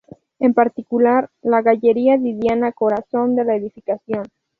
En particular, la "Galleria di Diana", corazón de la edificación.